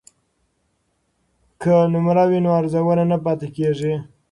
که نمره وي نو ارزونه نه پاتې کیږي.